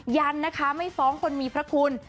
ยันนะคะไม่ฟ้องคนมีพระคุณ